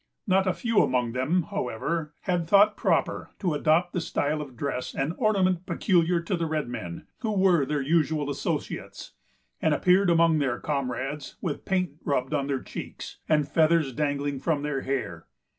Not a few among them, however, had thought proper to adopt the style of dress and ornament peculiar to the red men, who were their usual associates, and appeared among their comrades with paint rubbed on their cheeks, and feathers dangling from their hair.